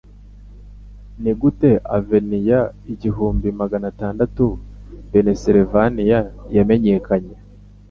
Nigute Aveni ya igihumbi Magana atandatu Pensylvania Yamenyekanye